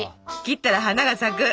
「切ったら花が咲く！！」。